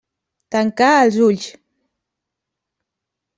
Tancà els ulls.